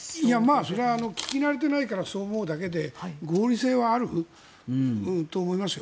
それは聞き慣れていないからそうなるだけで合理性はあると思いますよ。